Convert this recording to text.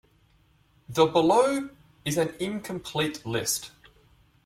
The below is an incomplete list.